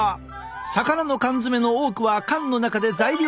魚の缶詰の多くは缶の中で材料に火を通す。